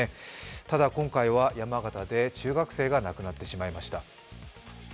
ただ、今回は山形で中学生が亡くなってしまいました。